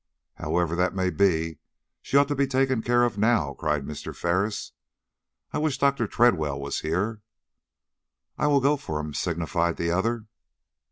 "However that may be, she ought to be taken care of now," cried Mr. Ferris. "I wish Dr. Tredwell was here." "I will go for him," signified the other.